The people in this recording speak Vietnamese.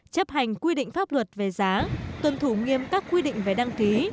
chấp hành quy định pháp luật về giá tuân thủ nghiêm các quy định về đăng ký